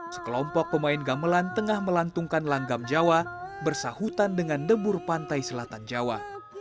sekelompok pemain gamelan tengah melantungkan langgam jawa bersahutan dengan debur pantai selatan jawa